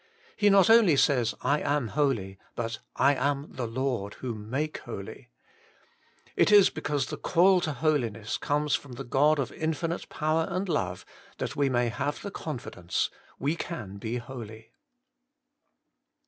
He not only says 1 1 am holy,' but ' I am the Lord, who make holy.' It is because the call to Holiness comes from the GOD'S CALL TO HOLINESS. 15 God of infinite Power and Love that we may have the confidence : we can be holy.